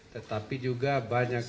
tetapi juga banyak sekali